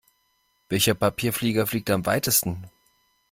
Welcher Papierflieger fliegt am weitesten?